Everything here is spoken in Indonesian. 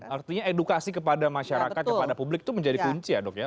artinya edukasi kepada masyarakat kepada publik itu menjadi kunci ya dok ya